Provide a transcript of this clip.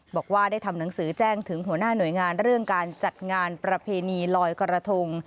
บอกว่าได้ทำหนังสือแจ้งถึงหัวหน้าหน่วยงานเรื่องการจัดงานประเพณีลอยกระทง